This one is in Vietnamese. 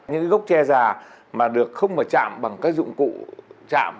những cái gốc tre già mà được không mà chạm bằng cái dụng cụ chạm